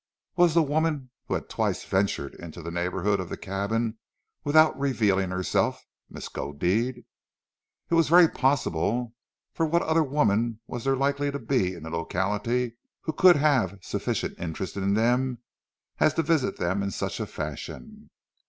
Was the woman who had twice ventured into the neighbourhood of the cabin without revealing herself, Miskodeed? It was very possible, for what other woman was there likely to be in the locality who could have sufficient interest in them as to visit them in such fashion?